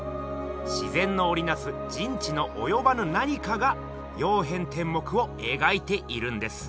自然のおりなす人知のおよばぬ何かが「曜変天目」をえがいているんです。